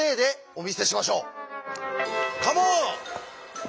カモン！